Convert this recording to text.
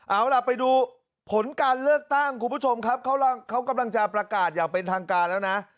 เอาล่ะไปดูผลการเลือกตั้งคุณผู้ชมครับเขากำลังจะประกาศอย่างเป็นทางการแล้วนะ